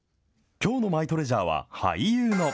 きょうのマイトレジャーは俳優の。